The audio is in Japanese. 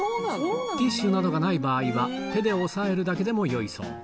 ティッシュなどがない場合は、手で押さえるだけでもよいそう。